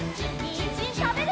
にんじんたべるよ！